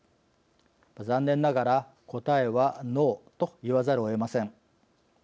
残念ながら答えはノーと言わざるをえません。